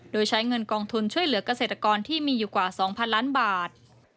โดยใช้เงินกองทุนช่วยเหลือกเกษตรกรที่มีอยู่กว่า๒๐๐ล้านบาท